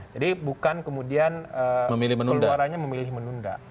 jadi bukan kemudian keluarannya memilih menunda